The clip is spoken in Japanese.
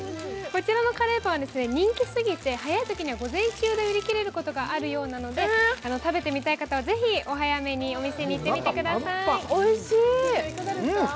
こちらのかれーパンは人気すぎて早いときは午前中で売り切れることがあるようなので、食べてみたい方はぜひお早めにお店に行ってみてください。